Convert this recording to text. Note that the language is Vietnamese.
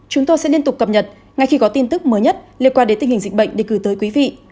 chúng tôi sẽ liên tục cập nhật ngay khi có tin tức mới nhất liên quan đến tình hình dịch bệnh để gửi tới quý vị